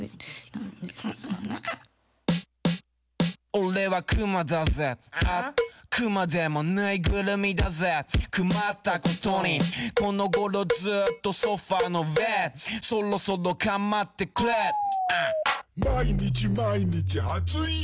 俺は熊だぜ熊でも縫いぐるみだぜくまったことにこのごろずっとソファーの上そろそろ構ってくれ毎日毎日熱いよ